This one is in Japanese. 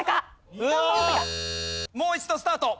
もう一度スタート。